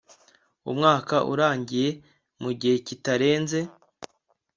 umwaka urangiye mu gihe kitarenze